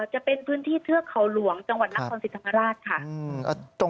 จะเป็นพื้นที่เทือกเขาหลวงจังหวัดนครศรีธรรมราชค่ะ